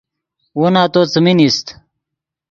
وو نتو څیمین ایست